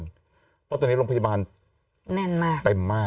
เพราะว่าตอนนี้โรงพยาบาลเต็มมาก